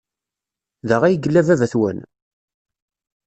Da ay yella baba-twen?